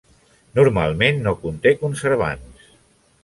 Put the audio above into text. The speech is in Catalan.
Normalment no conté conservants.